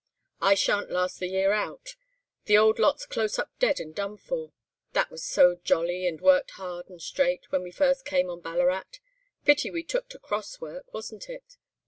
I sha'n't last the year out, the old lot's close up dead and done for, that was so jolly, and worked hard and straight, when we first came on Ballarat. Pity we took to 'cross' work, wasn't it?